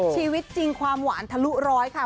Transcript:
ชีวิตจริงความหวานทะลุร้อยค่ะ